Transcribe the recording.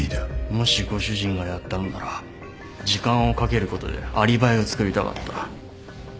もしご主人がやったのなら時間をかけることでアリバイをつくりたかった。